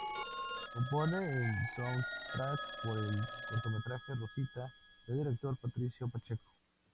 Compone el soundtrack por el cortometraje "Rosita" del director Patricio Pacheco.